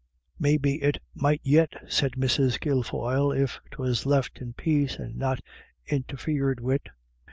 " Maybe it might yit," said Mrs. Kilfoyle, " if 'twas left in pake, and not interfered wid.